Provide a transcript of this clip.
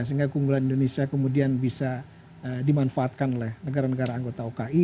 sehingga keunggulan indonesia kemudian bisa dimanfaatkan oleh negara negara anggota oki